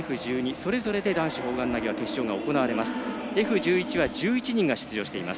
それぞれで男子砲丸投げ決勝が行われます。